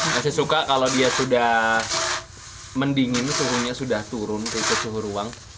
masih suka kalau dia sudah mendingin suhunya sudah turun ke suhu ruang